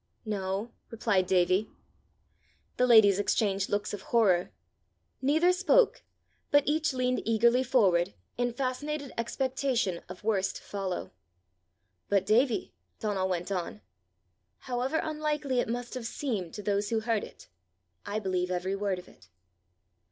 "No," replied Davie. The ladies exchanged looks of horror. Neither spoke, but each leaned eagerly forward, in fascinated expectation of worse to follow. "But, Davie," Donal went on, "however unlikely it must have seemed to those who heard it, I believe every word of it."